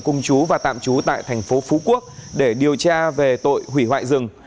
cung chú và tạm chú tại thành phố phú quốc để điều tra về tội hủy hoại rừng